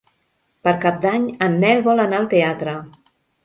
Per Cap d'Any en Nel vol anar al teatre.